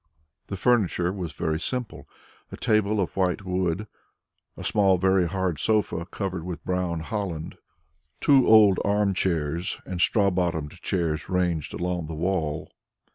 The furniture was very simple a table of white wood, a small very hard sofa covered with brown holland, two old arm chairs and straw bottomed chairs ranged along the wall.